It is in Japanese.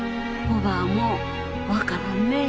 おばぁも分からんねえ。